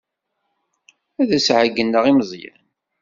Ad as-ɛeyyneɣ i Meẓyan.